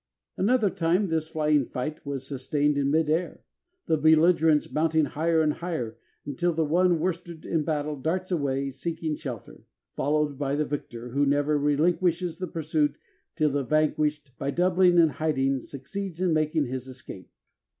Another time this flying fight was sustained in midair, the belligerents mounting higher and higher, until the one worsted in battle darts away seeking shelter, followed by the victor, who never relinquishes the pursuit till the vanquished, by doubling and hiding, succeeds in making his escape."